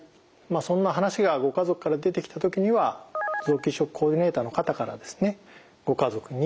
そんな話がご家族から出てきた時には臓器移植コーディネーターの方からですねご家族に説明をしていただきます。